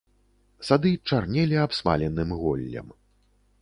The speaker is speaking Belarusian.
Сады чарнелі абсмаленым голлем.